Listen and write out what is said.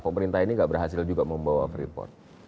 pemerintah ini juga tidak berhasil membawa freeport